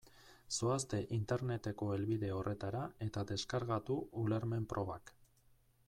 Zoazte Interneteko helbide horretara eta deskargatu ulermen-probak.